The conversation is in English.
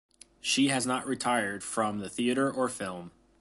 She has not retired from the theater or film.